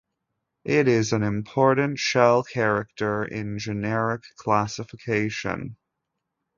It is an important shell character in generic classification.